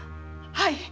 はい。